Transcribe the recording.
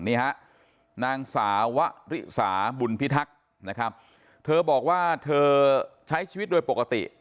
นี่ฮะนางสาวริสาบุญพิทักษ์นะครับเธอบอกว่าเธอใช้ชีวิตโดยปกติ